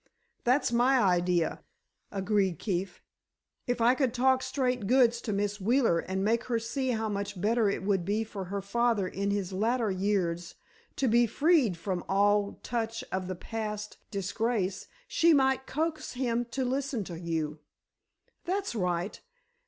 "That's my idea," agreed Keefe. "If I can talk straight goods to Miss Wheeler and make her see how much better it would be for her father in his latter years to be freed from all touch of the past disgrace, she might coax him to listen to you." "That's right.